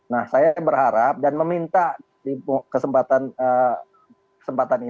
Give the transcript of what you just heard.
nah saya berharap dan meminta di kesempatan ini tolonglah untuk kali ini futer itu memilih dari